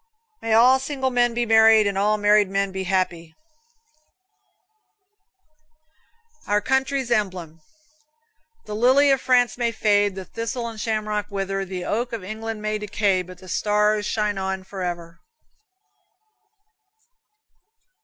May all single men be married, and all married men be happy. Our Country's Emblem: The lily of France may fade, The thistle and shamrock wither, The oak of England may decay, But the stars shine on forever.